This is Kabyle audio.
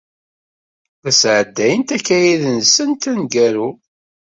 La sɛeddayent akayad-nsent ameggaru.